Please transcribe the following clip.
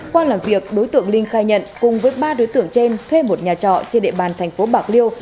qua làm việc đối tượng linh khai nhận cùng với ba đối tượng trên thuê một nhà trọ trên địa bàn thành phố bạc liêu